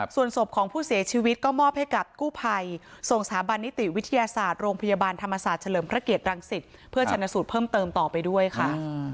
ส่วนศพของผู้เสียชีวิตก็มอบให้กับกู้ภัยส่งสถาบันนิติวิทยาศาสตร์โรงพยาบาลธรรมศาสตร์เฉลิมพระเกียรังสิตเพื่อชนะสูตรเพิ่มเติมต่อไปด้วยค่ะ